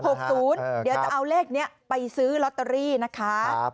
เดี๋ยวจะเอาเลขนี้ไปซื้อลอตเตอรี่นะคะ